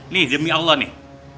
nih demi allah nih